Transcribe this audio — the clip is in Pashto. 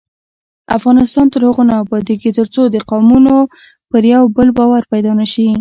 افغانستان تر هغو نه ابادیږي، ترڅو د قومونو پر یو بل باور پیدا نشي.